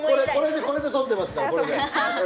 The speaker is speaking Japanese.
これでとってますから。